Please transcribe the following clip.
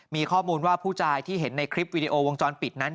มีข้อมูลว่าผู้ชายที่เห็นในคลิปวิดีโอวงจรปิดนั้น